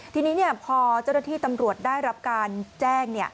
ทีนี้พอเจ้าหน้าที่ตำรวจได้รับการแจ้ง